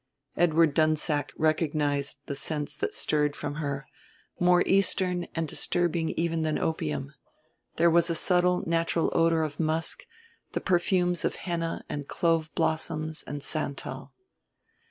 Edward Dunsack recognized the scents that stirred from her, more Eastern and disturbing even than opium: there was a subtle natural odor of musk, the perfumes of henna and clove blossoms and santal.